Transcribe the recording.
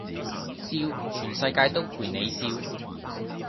笑，全世界都陪你笑